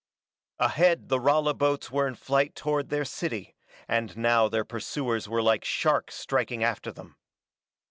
Ahead the Rala boats were in flight toward their city, and now their pursuers were like sharks striking after them.